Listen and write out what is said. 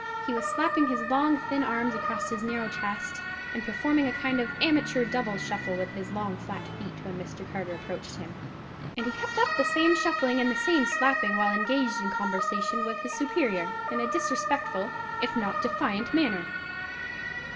He was slapping his long thin arms across his narrow chest, and performing a kind of amateur double shuffle with his long flat feet, when Mr. Carter approached him; and he kept up the same shuffling and the same slapping while engaged in conversation with his superior, in a disrespectful if not defiant manner.